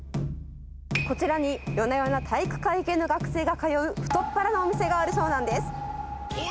こちらに夜な夜な体育会系の学生が通う太っ腹なお店があるそうなんです。